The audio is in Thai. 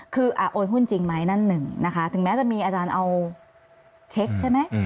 คือโอนหุ้นจริงไหมนั่นหนึ่งนะคะถึงแม้จะมีอาจารย์เอาเช็คใช่ไหม